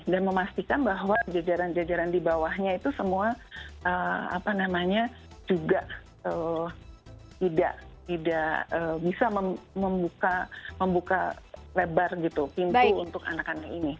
dan memastikan bahwa jajaran jajaran di bawahnya itu semua juga tidak bisa membuka lebar pintu untuk anak anak ini